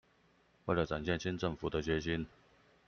為了展現新政府的決心